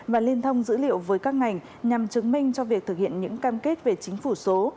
và liên thông dữ liệu với các ngành nhằm chứng minh cho việc thực hiện những cam kết về chính phủ số